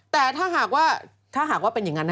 แต่ถ้าหากว่าเป็นอย่างนั้น